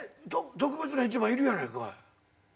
特別な一番いるやないかい。